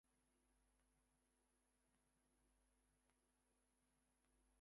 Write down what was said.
In fact, the measure was lost by twenty-seven votes.